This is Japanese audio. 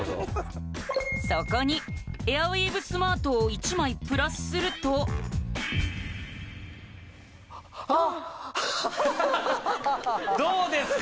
そこにエアウィーヴスマートを１枚プラスするとあっどうですか？